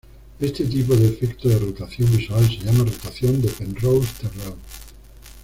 Este tipo de efecto de rotación visual se llama rotación de Penrose-Terrell.